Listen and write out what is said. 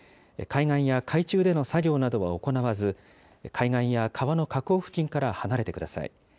海岸や海中での作業などは行わず、海岸や川の河口付近から離れてください。